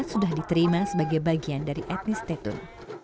sudah diterima sebagai bagian dari etnis tetun